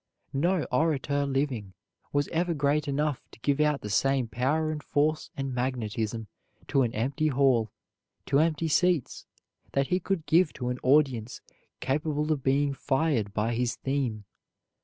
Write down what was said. No orator living was ever great enough to give out the same power and force and magnetism to an empty hall, to empty seats, that he could give to an audience capable of being fired by his theme.